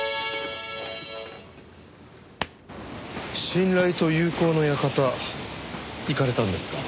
信頼と友好の館行かれたんですか。